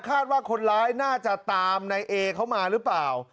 คาดว่าคนร้ายน่าจะตามในเอเขามาหรือเปล่า